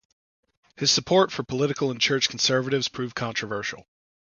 His support for political and Church conservatives proved controversial.